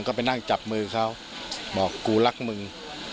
ก็ไปนั่งจับมือเขาบอกกูรักมึง